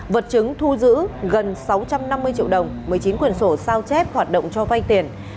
vật chứng thu giữ gần sáu trăm năm mươi triệu đồng một mươi chín quyển sổ sao chép hoạt động cho vay tiền